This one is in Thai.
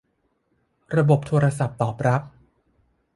ระบบโทรศัพท์ตอบรับ